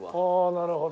なるほど。